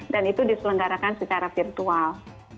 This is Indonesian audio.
dan itu diselenggarakan secara virtual